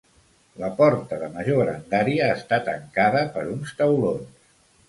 La porta de major grandària està tancada per uns taulons.